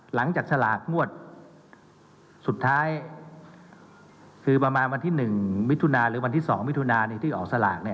หลังจากสลากงวดสุดท้ายคือประมาณวันที่๑มิถุนาหรือวันที่๒มิถุนาที่ออกสลาก